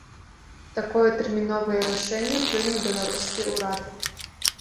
Такое тэрміновае рашэнне прыняў беларускі ўрад.